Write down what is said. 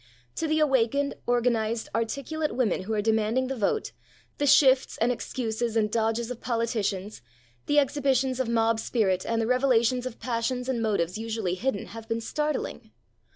To the awakened, organised, articulate women who are demanding the vote, the shifts and excuses and dodges of politicians, the exhibitions of mob spirit and the revelations of passions and motives usually hidden have been startling.